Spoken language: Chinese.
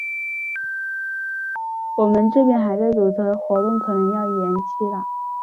我们这边还在堵车，活动可能要延期了。